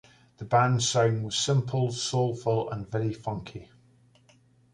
The band's sound was simple, soulful and very funky.